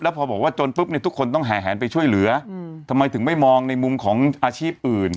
พอบอกว่าจนปุ๊บเนี่ยทุกคนต้องแห่แหนไปช่วยเหลือทำไมถึงไม่มองในมุมของอาชีพอื่น